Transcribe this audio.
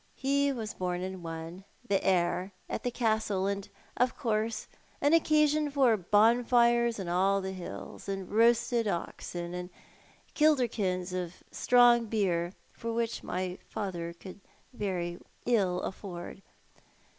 He was born in one — the heir — at the Castle, of course —■ an occasion for bonfires on all the hills, and roasted oxen, and kilderkins of strong beer, which my father could very ill afi'ord.